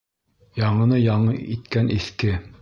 Яңыны яңы иткән иҫке.